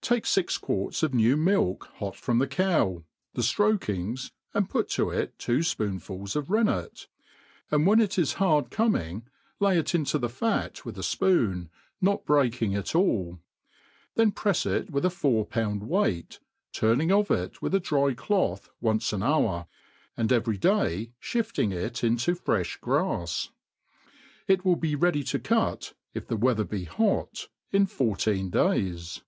TAKE fix quarts of new milk hot from the cow, the ftroakings, and put to it two fpoonfuls of rennet ; and when it it hard coming, lay it into the fat with a fpoon, not break ing it all ; then prefs it with a four pound weight, turning of it with a dry cloth once an hour, and every day (hifting it in* to frcOi grafs. It will be ready to cut, if the weather i>e hot, in Fourteen days.